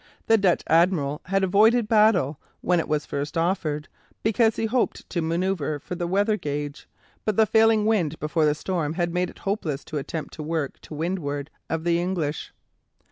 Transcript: The Dutch admiral had avoided battle, when it was first offered, because he hoped to manoeuvre for the weather gage, but the failing wind before the storm had made it hopeless to attempt to work to windward of the English.